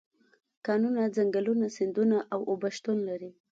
کانونه، ځنګلونه، سیندونه او اوبه شتون لري.